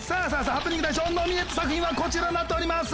ハプニング大賞ノミネート作品はこちらになっております。